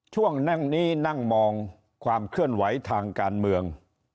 นั่งนี้นั่งมองความเคลื่อนไหวทางการเมือง